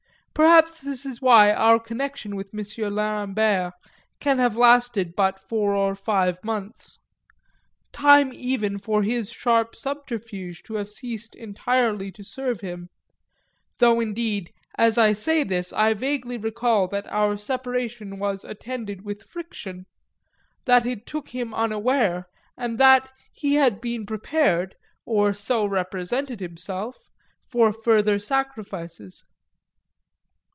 Perhaps this was why our connection with M. Lerambert can have lasted but four or five months time even for his sharp subterfuge to have ceased entirely to serve him; though indeed even as I say this I vaguely recall that our separation was attended with friction, that it took him unaware and that he had been prepared (or so represented himself) for further sacrifices.